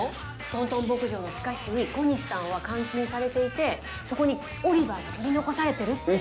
トントン牧場の地下室に小西さんは監禁されていてそこにオリバーが取り残されてるって。